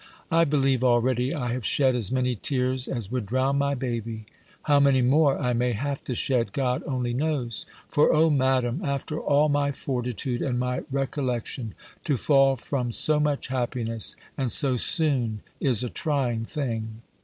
I believe already I have shed as many tears as would drown my baby. How many more I may have to shed, God only knows! For, O Madam, after all my fortitude, and my recollection, to fall from so much happiness, and so soon, is a trying thing!